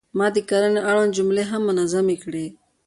ما د کرنې اړوند جملې هم منظمې کړې.